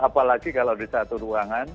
apalagi kalau di satu ruangan